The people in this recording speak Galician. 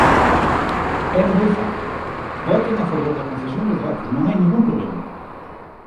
É moi fácil: voten a favor da concesión dos datos, non hai ningún problema.